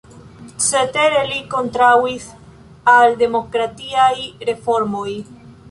Cetere li kontraŭis al demokratiaj reformoj.